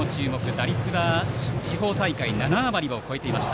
打率は地方大会で７割を超えていました。